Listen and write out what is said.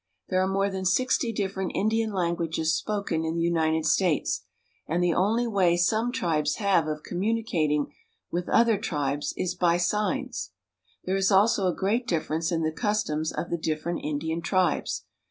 There are more than sixty different Indian languages spoken in the United States, and the only way some tribes have of communicating with other tribes is by signs. There is also a great difference in the customs of the different Indian tribes.